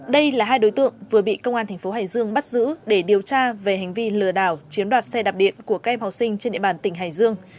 đây là hai đối tượng vừa bị công an tp hcm bắt giữ để điều tra về hành vi lừa đảo chiếm đoạt xe đạp điện của các em học sinh trên địa bàn tp hcm